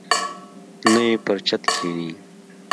نه یې پر چت کښیني.